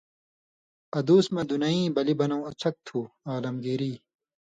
ادُوس مہ دُنئ یَیں بلی بنٶں اڅھَک تھُو۔ (عالمگیری)۔